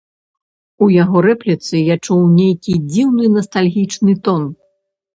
У яго рэпліцы я чую нейкі дзіўны настальгічны тон.